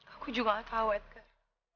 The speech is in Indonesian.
aku juga gak tahu edgar